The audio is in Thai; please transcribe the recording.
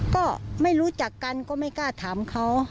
ก็ไม่รู้จักกันก็ไม่กล้าถามเขา